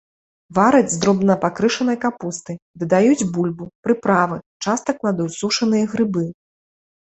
Вараць з дробна пакрышанай капусты, дадаюць бульбу, прыправы, часта кладуць сушаныя грыбы.